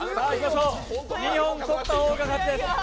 ２本取った方が勝ちです。